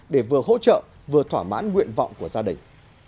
để vừa hỗ trợ vừa thỏa mãn nguyện vọng của gia đình